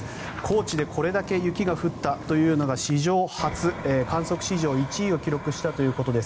高地でこれだけ雪が降ったというのは史上初、観測史上１位を記録したということです。